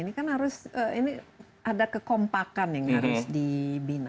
ini kan harus ini ada kekompakan yang harus dibina